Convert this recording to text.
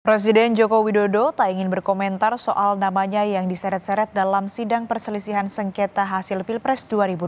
presiden joko widodo tak ingin berkomentar soal namanya yang diseret seret dalam sidang perselisihan sengketa hasil pilpres dua ribu dua puluh